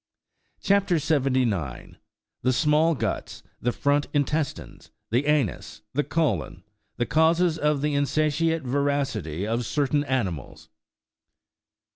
CHAP. 79. THE SMALL GUTS, THE FBONT INTESTINES, THE ANUS, THE COLON. IHE CAUSES OF THE INSATIATE VORACITY OF CER TAIN ANIMALS.